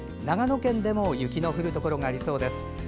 長野県でも雪の降るところがありそうです。